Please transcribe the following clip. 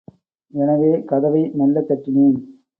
எனவே, கதவை மெல்லத் தட்டினேன்.